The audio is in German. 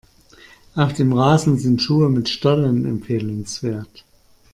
Auf dem Rasen sind Schuhe mit Stollen empfehlenswert.